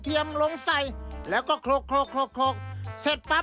สีสันข่าวชาวไทยรัฐมาแล้วครับ